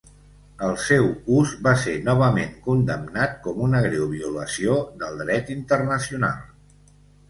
El seu ús va ser novament condemnat com una greu violació del dret internacional.